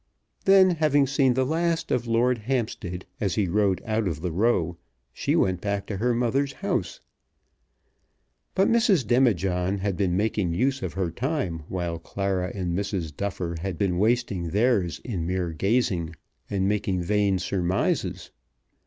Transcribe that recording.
Then, having seen the last of Lord Hampstead as he rode out of the Row, she went back to her mother's house. But Mrs. Demijohn had been making use of her time while Clara and Mrs. Duffer had been wasting theirs in mere gazing, and making vain surmises.